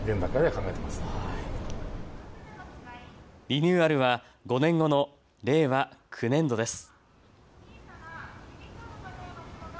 リニューアルは５年後の令和９年度です。